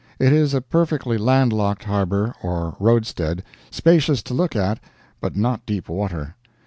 It is a perfectly landlocked harbor, or roadstead spacious to look at, but not deep water.